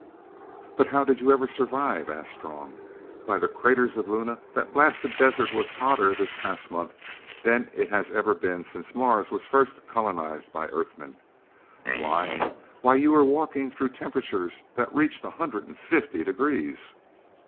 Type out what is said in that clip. "But how did you ever survive?" asked Strong. "By the craters of Luna, that blasted desert was hotter this past month than it has ever been since Mars was first colonized by Earthmen. Why why you were walking through temperatures that reached a hundred and fifty degrees!"